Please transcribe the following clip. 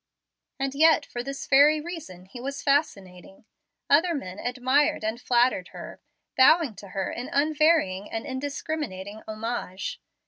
And yet for this very reason he was fascinating. Other men admired and flattered her, bowing to her in unvarying and indiscriminating homage.